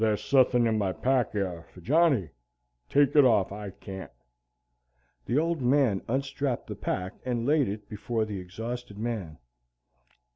"Thar's suthin' in my pack yer for Johnny. Take it off. I can't." The Old Man unstrapped the pack and laid it before the exhausted man.